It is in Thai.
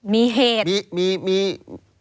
มีเหตุ